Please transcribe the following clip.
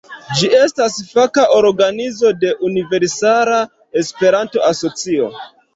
Ĝi estas faka organizo de Universala Esperanto-Asocio.